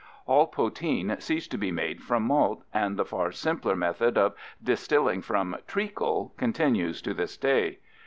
all poteen ceased to be made from malt, and the far simpler method of distilling from "treacle" continues to this day.